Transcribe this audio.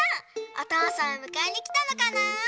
おとうさんをむかえにきたのかな？